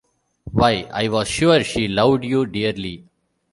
Why, I was sure she loved you dearly.